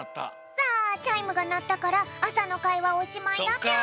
さあチャイムがなったからあさのかいはおしまいだぴょん！